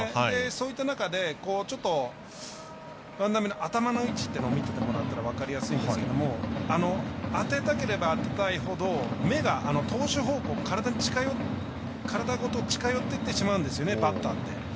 そういった中で万波の頭の位置というのを見ててもらったら分かりやすいんですが当てたければ、当てたいほど目が投手方向、体ごと近寄っていってしまうんですねバッターって。